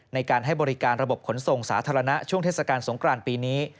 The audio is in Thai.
ในการให้บริการระบบขนส่งสาธารณะช่วงเทศกาลสงครานปีนี้